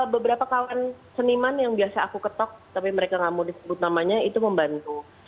beberapa kawan seniman yang biasa aku ketok tapi mereka nggak mau disebut namanya itu membantu